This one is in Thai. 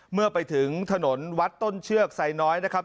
เมื่อไปถึงถนนวัดต้นเชือกไซน้อยนะครับ